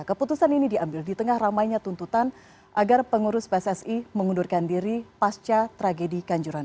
keputusan ini diambil di tengah ramainya tuntutan agar pengurus pssi mengundurkan diri pasca tragedi kanjuran